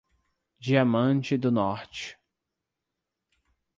Diamante do Norte